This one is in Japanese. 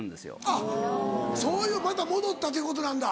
あっそういうまた戻ったということなんだ。